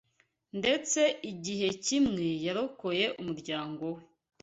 Ndetse igihe kimwe yarokoye umuryango we